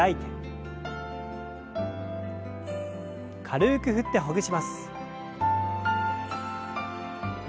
軽く振ってほぐします。